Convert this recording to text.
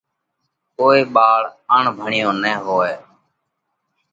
ڪوئي ٻاۯ اڻڀڻيو نئين هوئہ۔